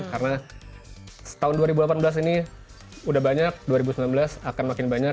karena tahun dua ribu delapan belas ini udah banyak dua ribu sembilan belas akan makin banyak